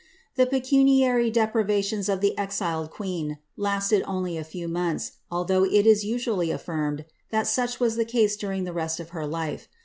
The pecuniary deprivations of the exiled queen listed only a few months, although it is usually affirmed that such was the case during the rest of her life.